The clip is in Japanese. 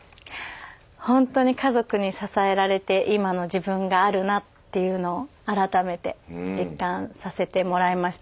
ほんとに家族に支えられて今の自分があるなっていうのを改めて実感させてもらいました。